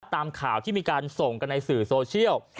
ตามข่าวที่มีการส่งกันในสื่อโซเชียล